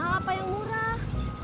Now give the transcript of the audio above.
yang mahal apa yang murah